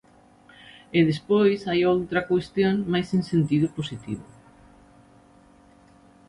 E despois hai outra cuestión máis en sentido positivo.